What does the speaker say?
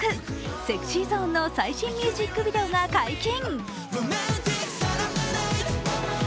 ＳｅｘｙＺｏｎｅの最新ミュージックビデオが解禁。